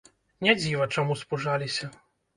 Не дзіва, чаму спужаліся.